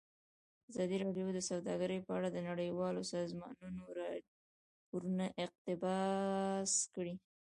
ازادي راډیو د سوداګري په اړه د نړیوالو سازمانونو راپورونه اقتباس کړي.